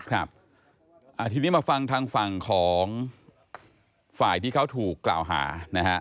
ครับทีนี้มาฟังทางฝั่งของฝ่ายที่เขาถูกกล่าวหานะฮะ